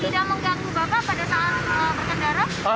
tidak mengganggu bapak pada saat berkendara